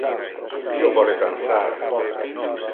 Io vole dansar.